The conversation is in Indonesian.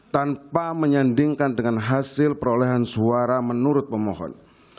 tanpa menyandingkan dengan hasil perolehan suara menurut pemohon